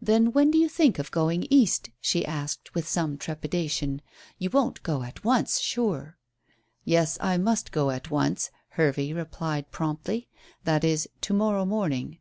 "Then when do you think of going East?" she asked, with some trepidation. "You won't go at once, sure." "Yes, I must go at once," Hervey replied promptly. "That is, to morrow morning."